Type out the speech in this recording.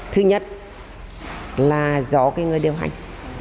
thứ nhất là do cái người điều hành